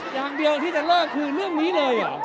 อย่างเดียวที่จะเลิกคือเรื่องนี้เลย